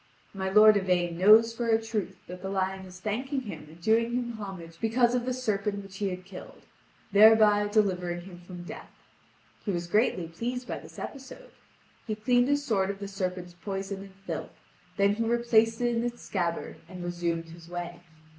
My lord Yvain knows for a truth that the lion is thanking him and doing him homage because of the serpent which he had killed, thereby delivering him from death. He was greatly pleased by this episode. He cleaned his sword of the serpent's poison and filth; then he replaced it in its scabbard, and resumed his way.